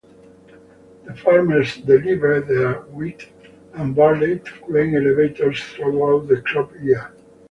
The farmers delivered their wheat and barley to grain elevators throughout the crop year.